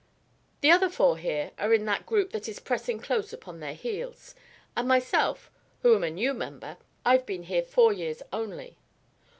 The other four here are in that group that is pressing close upon their heels; and myself, who am a new member: I've been here four years only.